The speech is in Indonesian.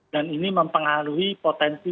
dan ini mempengaruhi potensi